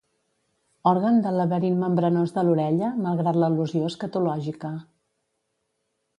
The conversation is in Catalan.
Òrgan del laberint membranós de l'orella, malgrat l'al·lusió escatològica.